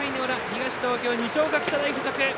東京、二松学舎大付属！